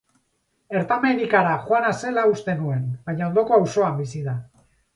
Ertamerikara joana zela uste nuen baina ondoko auzoan bizi da.